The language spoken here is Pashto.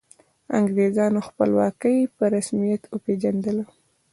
انګریزانو خپلواکي په رسمیت وپيژندله.